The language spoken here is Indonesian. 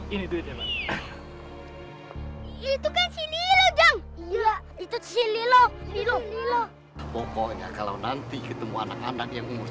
ini duitnya itu kan sini lojang itu si lilo lilo pokoknya kalau nanti ketemu anak anak yang